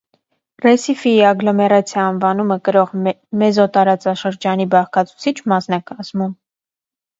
«Ռեսիֆիի ագլոմերացիա» անվանումը կրող մեզոտարածաշրջանի բաղկացուցիչ մասն է կազմում։